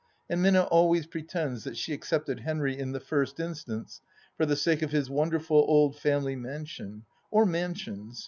And Minna always pretends that she accepted Henry, in the first instance, for the sake of his wonderful old family mansion — or mansions.